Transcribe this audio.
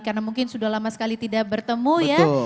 karena mungkin sudah lama sekali tidak bertemu ya